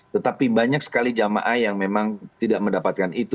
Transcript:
tetapi banyak sekali jamaah yang memang tidak mendapatkan itu